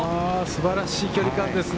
素晴らしい距離感